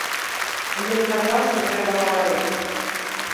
Ён казаў, што трэба гаварыць.